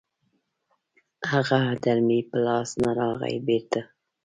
هغه در مې په لاس نه راغی بېړيه